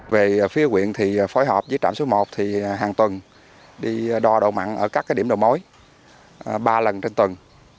về phía quyện thì phối hợp với trạm số một thì hàng tuần đi đo độ mặn ở các điểm đầu mối ba lần trên tuần